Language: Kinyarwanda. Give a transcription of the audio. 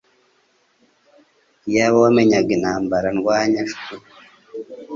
Iyaba wamenyaga intambara ndwanye chouu